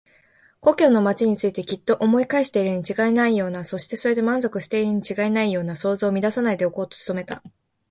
故郷の町についてきっと思い描いているにちがいないような、そしてそれで満足しているにちがいないような想像を乱さないでおこうと努めた。